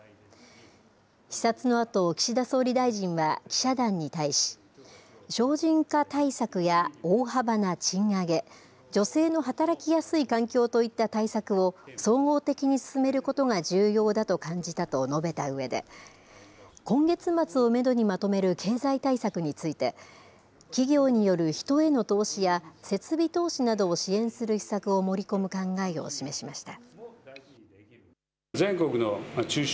視察のあと岸田総理大臣は記者団に対し省人化対策や大幅な賃上げ女性の働きやすい環境といった対策を総合的に進めることが重要だと感じたと述べたうえで今月末をめどにまとめる経済対策について企業による人への投資や設備投資などを支援する施策を盛り込む考えを示しました。